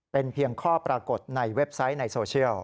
เป็นเพียงข้อปรากฏในเว็บไซต์ในโซเชียล